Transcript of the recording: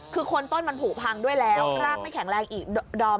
คือคนต้นมันผูกพังด้วยแล้วร่างไม่แข็งแรงอีกดอม